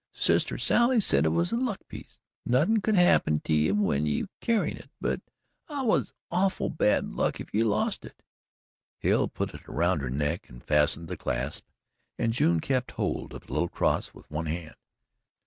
"Sister Sally said it was a luck piece. Nothin' could happen to ye when ye was carryin' it, but it was awful bad luck if you lost it." Hale put it around her neck and fastened the clasp and June kept hold of the little cross with one hand.